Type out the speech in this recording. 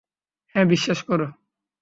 হ্যাঁ, বিশ্বাস করো।